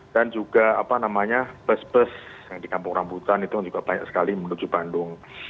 dan juga apa namanya bus bus yang di kampung rambutan itu juga banyak sekali menuju bandung